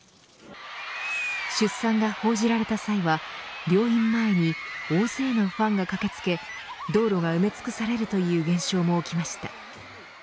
出産が報じられた際は病院前に大勢のファンが駆け付け道路が埋め尽くされるという現象も起きました。